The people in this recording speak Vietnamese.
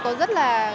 có rất là